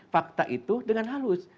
fakta itu dengan halus